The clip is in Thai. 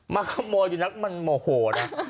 มาขโมยจริงมันโมโหนะ